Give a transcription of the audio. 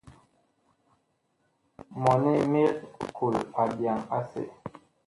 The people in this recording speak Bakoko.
Mɔni mig kol abyaŋ asɛ.